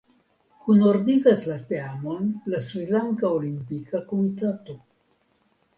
Kunordigas la teamon la Srilanka Olimpika Komitato.